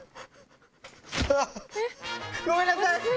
ごめんなさい。